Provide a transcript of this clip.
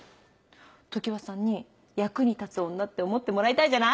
常葉さんに役に立つ女って思ってもらいたいじゃない？